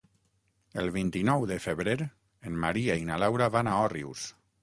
El vint-i-nou de febrer en Maria i na Laura van a Òrrius.